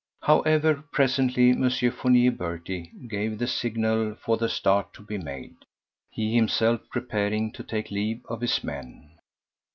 However, presently M. Fournier Berty gave the signal for the start to be made, he himself preparing to take leave of his men.